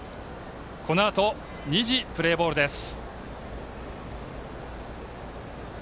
このあと２時、プレーボールです。